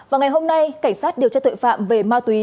vào ngày hôm nay cảnh sát điều tra tội phạm về ma túy